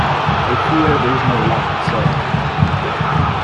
I fear there is no lamp, sir.